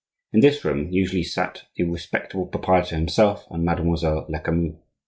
In this room usually sat the respectable proprietor himself and Mademoiselle Lecamus.